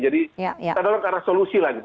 jadi kita dorong ke arah solusi lagi